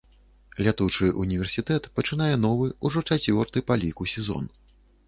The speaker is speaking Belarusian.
Лятучы ўніверсітэт пачынае новы, ужо чацвёрты па ліку сезон.